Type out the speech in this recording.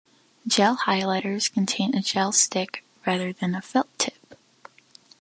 "Gel highlighters" contain a gel stick rather than a felt tip.